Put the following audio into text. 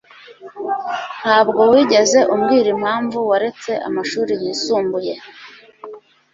Ntabwo wigeze umbwira impamvu waretse amashuri yisumbuye.